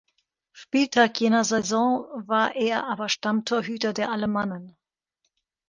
Spieltag jener Saison war er aber Stammtorhüter der Alemannen.